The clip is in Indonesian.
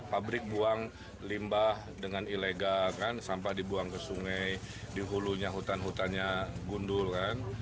pabrik buang limbah dengan ilegal kan sampah dibuang ke sungai di hulunya hutan hutannya gundul kan